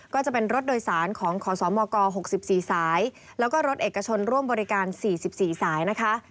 ก็จะเป็นรถโดยสารของขอสมก๖๔สายแล้วก็รถเอกชนร่วมบริการ๔๔สายนะคะ